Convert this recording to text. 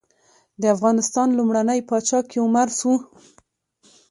د افغانستان لومړنی پاچا کيومرث وه.